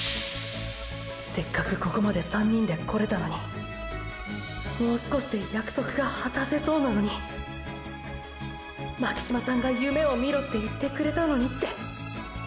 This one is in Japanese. せっかくここまで３人で来れたのにもう少しで約束が果たせそうなのに巻島さんが夢を見ろって言ってくれたのにって。